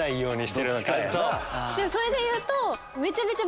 それでいうと。